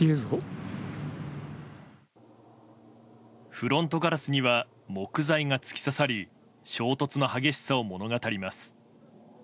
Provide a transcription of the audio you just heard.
フロントガラスには木材が突き刺さり衝突の激しさを物語ります。